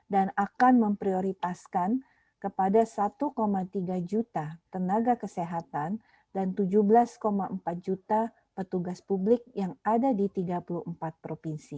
dan akan memprioritaskan kepada satu tiga juta tenaga kesehatan dan tujuh belas empat juta petugas publik yang ada di tiga puluh umur